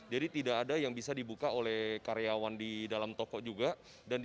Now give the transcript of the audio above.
jadi tidak ada yang bisa dibuka oleh karyawan di dalam toko juga